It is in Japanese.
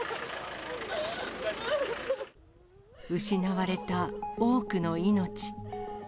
失われた多くの命。